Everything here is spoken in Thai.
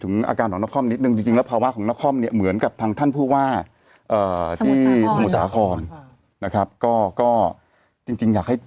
จึงอากาศของนครนิตมีจริงนะภาวะของนครเนี่ยเหมือนกับครั้งอาท่านพูดว่าที่สาของนะครับก็ก็จริงจริงอยากให้